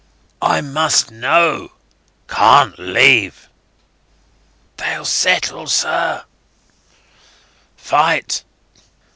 "I must know ... can't leave. ..." "They'll settle, sir." "Fight